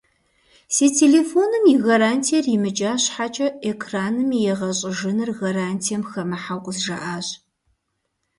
Си телефоным и гарантиер имыкӏа щхьэкӏэ, экраным и егъэщӏыжыныр гарантием хэмыхьэу къызжаӏащ.